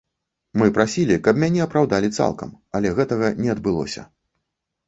Мы прасілі, каб мяне апраўдалі цалкам, але гэтага не адбылося.